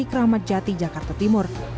keramat jati jakarta timur